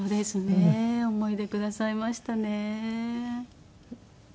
思い出くださいましたね。